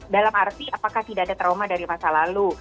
dalam arti apakah tidak ada trauma dari masa lalu